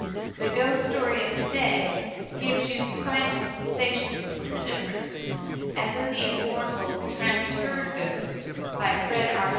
The ghost story of to day gives you spinal sensations with a difference, as in the immortal Transferred Ghost, by Frank R.